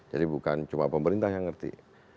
jadi bukan cuma pemerintah yang ngerti